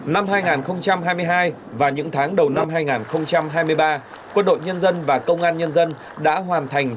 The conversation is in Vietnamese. năm hai nghìn hai mươi hai và những tháng đầu năm hai nghìn hai mươi ba quân đội nhân dân và công an nhân dân đã hoàn thành